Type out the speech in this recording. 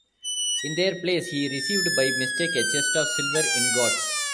In their place, he received by mistake a chest of silver ingots.